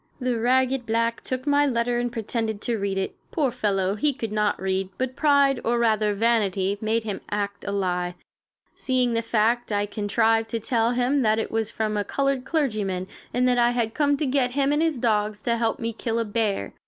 The ragged black took my letter and pretended to read it. Poor fellow, he could not read, but pride, or rather vanity, made him act a lie. Seeing the fact, I contrived to tell him that it was from a colored clergyman, and that I had come to get him and his dogs to help me kill a bear.